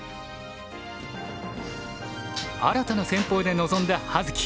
新たな戦法で臨んだ葉月。